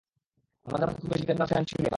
আমাদের মধ্যে খুব বেশি প্রেম বা রসায়ন ছিল না।